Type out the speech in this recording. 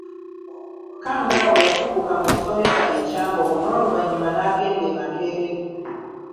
Kkangaawo yakuguka mu busomesa e Kyambogo n’oluvannyuma n'agenda e Makerere.